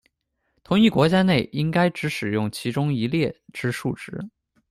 同一国家内应该只使用其中一列之数值。